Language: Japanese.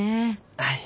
はい。